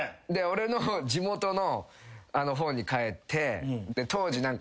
俺の地元の方に帰って。